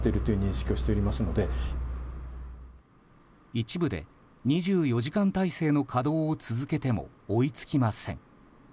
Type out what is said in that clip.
一部で２４時間体制の稼働を続けても追いつきません。